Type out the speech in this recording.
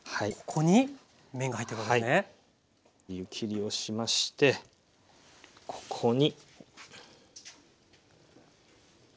湯切りをしましてここに。